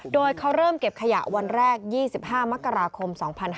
โดยเขาเริ่มเก็บขยะวันแรก๒๕มกราคม๒๕๕๙